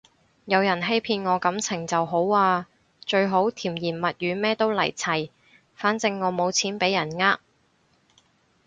有人欺騙我感情就好啊，最好甜言蜜語乜都嚟齊，反正我冇錢畀人呃